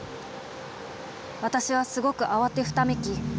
私はすごく慌てふためき